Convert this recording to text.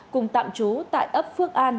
cùng tạm trú tại ấp phước an